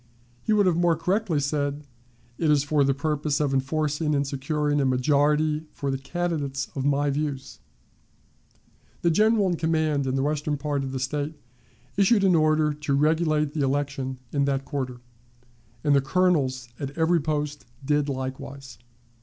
He would have more correctly said, "It is for the purpose of enforcing and securing a majority for the candidates of my views." The General in command in the western part of the State issued an order to regulate the election in that quarter, and the colonels at every post did likewise.